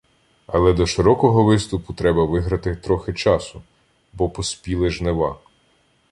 Але до широкого виступу треба виграти трохи часу, бо поспіли жнива.